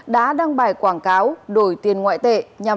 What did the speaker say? đã đăng bài quảng cáo đổi tiền ngoại tệ